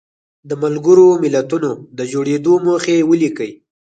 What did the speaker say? د ملګرو ملتونو د جوړېدو موخې ولیکئ.